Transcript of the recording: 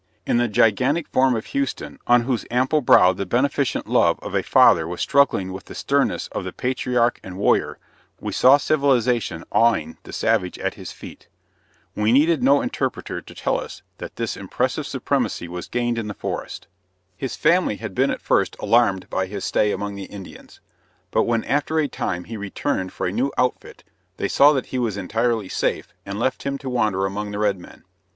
In the gigantic form of Houston, on whose ample brow the beneficent love of a father was struggling with the sternness of the patriarch and warrior, we saw civilization awing the savage at his feet. We needed no interpreter to tell us that this impressive supremacy was gained in the forest. His family had been at first alarmed by his stay among the Indians; but when after a time he returned for a new outfit they saw that he was entirely safe and left him to wander among the red men.